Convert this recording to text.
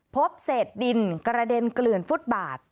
พบเศษดินกระเด็นเกลื่อนฟุตบาท